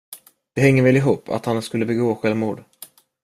Det hänger väl ihop, att han skulle begå självmord.